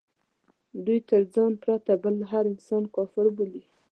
دوی تر ځان پرته بل هر انسان کافر بولي.